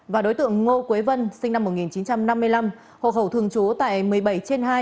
và đối tượng ngô quế vân sinh năm một nghìn chín trăm năm mươi năm hộ khẩu thường trú tại một mươi bảy trên hai